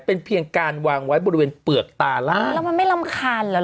เป็นเพียงการวางไว้บริเวณเปลือกตาล่างแล้วมันไม่รำคาญเหรอ